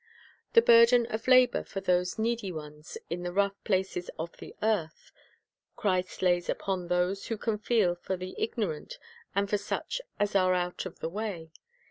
The burden of labor for these needy ones in the The saviour's rough places of the earth Christ lays upon those who can feel for the ignorant and for such as are out of the way.